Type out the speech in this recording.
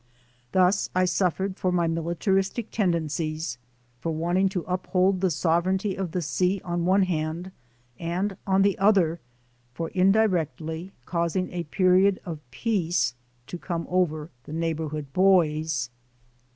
Thus I suffered for my mil itaristic tendencies, for wanting to uphold the sov ereignty of the sea on the one hand, and, on the other, for indirectly causing a period of peace to come over the neighborhood boys.